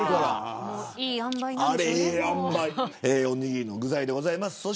おにぎりの具材でございます。